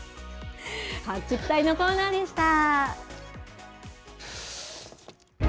発掘隊のコーナーでした。